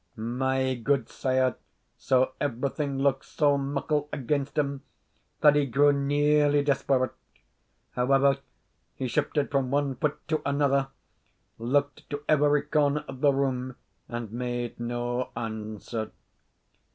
My gudesire saw everything look so muckle against him that he grew nearly desperate. However, he shifted from one foot to another, looked to every corner of the room, and made no answer.